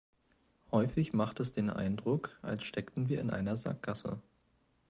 Häufig macht es den Eindruck, als steckten wir in einer Sackgasse.